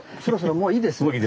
もういいですか。